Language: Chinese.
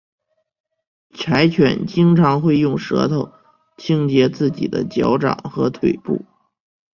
柴犬经常会用舌头清洁自己的脚掌和腿部。